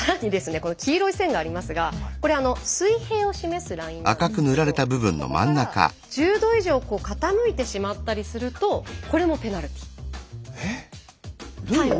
この黄色い線がありますがこれ水平を示すラインなんですけれどここから１０度以上傾いてしまったりするとこれもペナルティー。